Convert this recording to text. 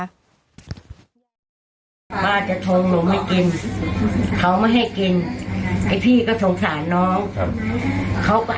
ป้าจะทงนมไม่กินเขาไม่ให้กินไอ้พี่ก็สงสารน้อง